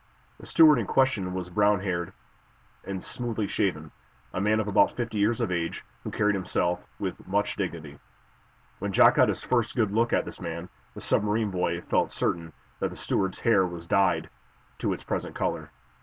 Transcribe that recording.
The steward in question was brownhaired and smoothly shaven, a man of about fifty years of age who carried himself with much dignity. When Jack got his first good look at this man, the submarine boy felt certain that the steward's hair was dyed to its present color.